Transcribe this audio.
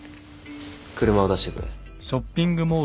車を出してくれ。